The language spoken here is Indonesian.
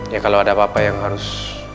ya kalau ada apa apa yang harus